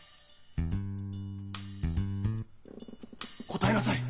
答えなさい！